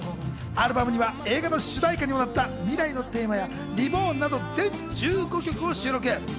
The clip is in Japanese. アルバムには映画の主題歌にもなった『ミライのテーマ』や『ＲＥＢＯＲＮ』など全１５曲を収録。